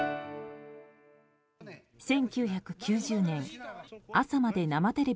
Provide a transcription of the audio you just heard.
１９９０年「朝まで生テレビ！」